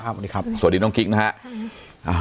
สวัสดีน้องกิ๊กนะครับ